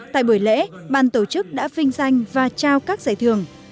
tại buổi lễ ban tổ chức đã vinh danh và trao các giải thưởng